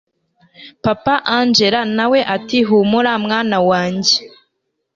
papa angella nawe ati humura mwana wanjye